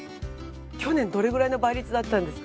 去年どれぐらいの倍率だったんですか？